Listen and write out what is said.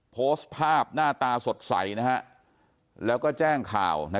โพสต์ภาพหน้าตาสดใสนะฮะแล้วก็แจ้งข่าว